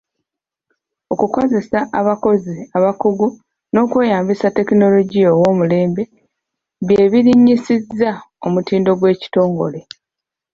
Okukozesa abakozi abakugu n’okweyambisa ttekinologiya ow'omulembe bye birinnyisizza omutindo gw'ekitongole.